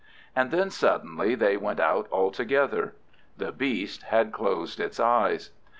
And then suddenly they went out altogether. The beast had closed its eyes.